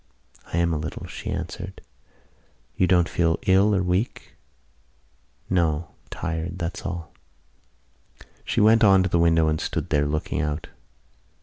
"I am a little," she answered. "You don't feel ill or weak?" "No, tired: that's all." She went on to the window and stood there, looking out.